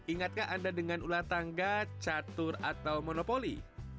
ingatkah anda dengan ulah tangga catur atau monopoli